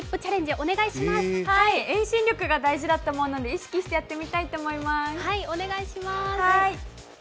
はい、遠心力が大事なので意識してやってみたいと思います。